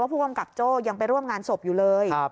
ผู้กำกับโจ้ยังไปร่วมงานศพอยู่เลย